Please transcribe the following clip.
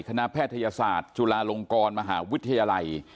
แพทยศาสตร์จุฬาลงกรมหาวิทยาลัย